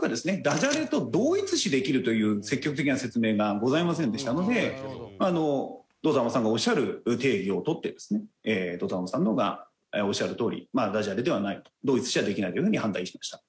ダジャレと同一視できるという積極的な説明がございませんでしたのでＤＯＴＡＭＡさんがおっしゃる定義を取ってですねＤＯＴＡＭＡさんがおっしゃるとおりダジャレではないと同一視はできないというふうに判断致しました。